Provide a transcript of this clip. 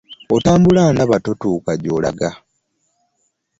Otambula ndaba totuuka gy'olaga.